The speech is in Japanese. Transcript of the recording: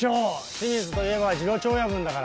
清水といえば次郎長親分だから。